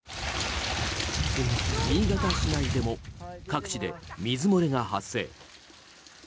新潟市内でも各地で水漏れが発生。